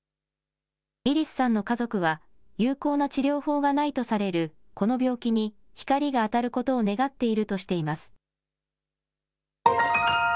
ウィリスさんの家族は有効な治療法がないとされるこの病気に光が当たることを願っているとしています。